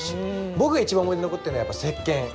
僕が一番思い出に残ってるのはやっぱ石けん！